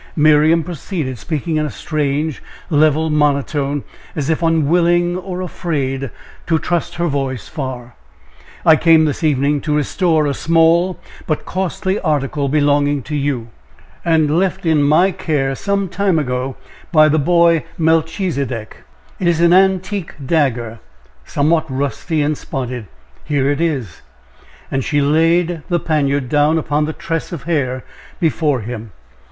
Miriam proceeded, speaking in a strange, level monotone, as if unwilling or afraid to trust her voice far: "I came this evening to restore a small but costly article of virtu, belonging to you, and left in my care some time ago by the boy Melchisedek. It is an antique dagger somewhat rusty and spotted. Here it is." And she laid the poniard down upon the tress of hair before him.